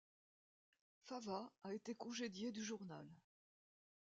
Fava a été congédié du journal.